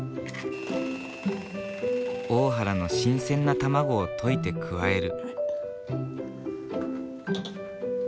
大原の新鮮な卵を溶いて加える。